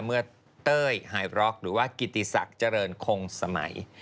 เมื่อเต้ยไฮบร็อกหรือว่ากิติศักดิ์เจริญคงสมัย